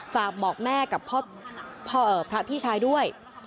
ฝากบอกแม่กับพระพี่ชายด้วย